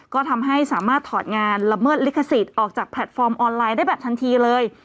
ก็ทำให้สามารถถอดงานละเมิดลิขสิทธิ์ออกจากแพลตฟอร์มออนไลน์ได้แบบทันทีเลย